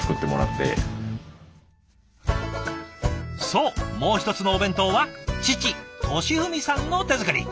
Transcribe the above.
そうもう一つのお弁当は父俊文さんの手作り。